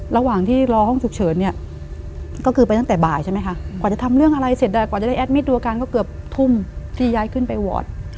ระหว่างที่รอห้องฉุกเฉินเนี่ยก็คือไปตั้งแต่บ่ายใช่ไหมคะกว่าจะทำเรื่องอะไรเสร็จได้กว่าจะได้แอดมิตดูอาการก็เกือบทุ่มที่ย้ายขึ้นไปวอร์ด